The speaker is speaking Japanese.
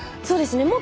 そうですね。